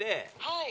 「はい」